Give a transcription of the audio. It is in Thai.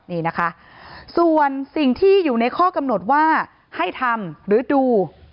นี่นะคะส่วนสิ่งที่อยู่ในข้อกำหนดว่าให้ทำหรือดู